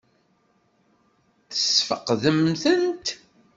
Tesfeqdem-tent?